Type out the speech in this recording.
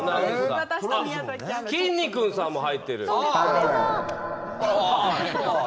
きんに君さんも入っている。